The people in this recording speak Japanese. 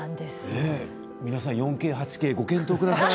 皆さん、４Ｋ８Ｋご検討ください。